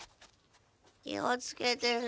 気をつけてね。